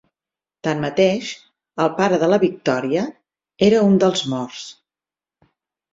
Tanmateix, el pare de la Victoria era un dels morts.